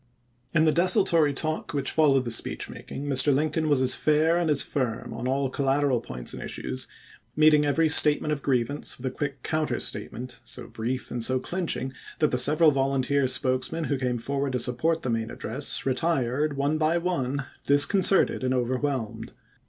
In the desultory talk which followed the speech making Mr. Lincoln was as fair and as firm on all collateral points and issues, meeting every state ment of grievance with a quick counter statement so brief and so cUnching that the several volunteer spokesmen who came forward to support the main address retired, one by one, disconcerted and over whelmed.